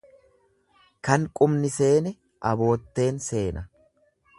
Kana qubni seene abootteen seena.